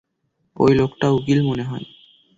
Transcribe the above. ঐ লোকটা উকিল মনে হয়।